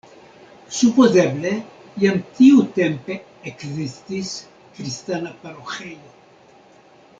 Supozeble jam tiutempe ekzistis kristana paroĥejo.